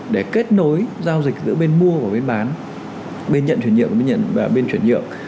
để kết nối giao dịch giữa bên mua và bên bán bên nhận chuyển nhượng và bên nhận chuyển nhượng